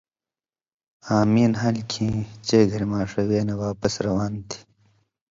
آں مِیں نھال کِھیں چئ گھریۡماݜہ وے نہ واپس روان تھی